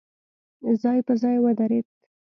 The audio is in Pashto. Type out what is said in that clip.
ځای په ځای ودرېد.